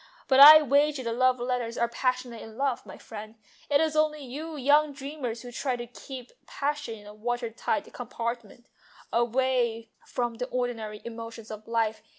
But I wager the love letters are passionate enough, my friend. It is only you young dreamers who try to keep passion in a water tight compartment, away from the ordinary emotions of life.